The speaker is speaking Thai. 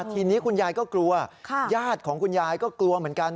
ทีนี้คุณยายก็กลัวญาติของคุณยายก็กลัวเหมือนกัน